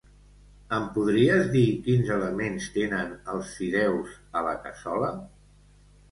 Em podries dir quins elements tenen els fideus a la cassola?